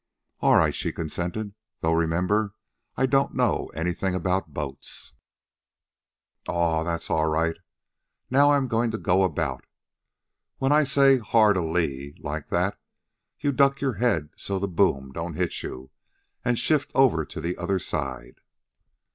"All right," she consented. "Though remember, I don't know anything about boats." "Aw, that's all right. Now I'm goin' to go about. When I say 'Hard a lee!' like that, you duck your head so the boom don't hit you, an' shift over to the other side."